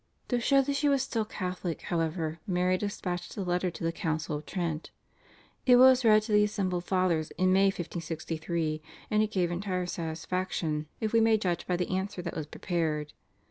To show that she was still Catholic, however, Mary dispatched a letter to the Council of Trent. It was read to the assembled Fathers in May 1563, and it gave entire satisfaction if we may judge by the answer that was prepared.